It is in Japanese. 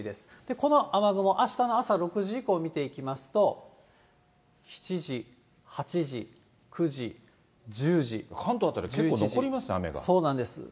この雨雲、あしたの朝６時以降見ていきますと、７時、８時、９時、１０時、関東辺りは結構残りますね、そうなんです。